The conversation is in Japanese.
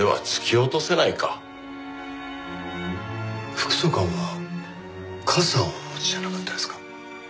副総監は傘をお持ちじゃなかったですか？